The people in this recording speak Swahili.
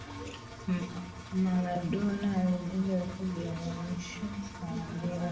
Maradona alivunja rekodi ya uhamisho mara mbili